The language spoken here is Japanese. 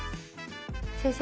先生。